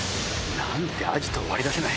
何でアジトを割り出せない？